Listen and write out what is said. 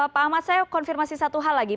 pak ahmad saya konfirmasi satu hal lagi